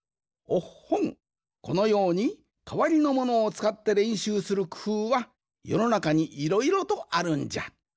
おっほんこのようにかわりのものをつかってれんしゅうするくふうはよのなかにいろいろとあるんじゃ。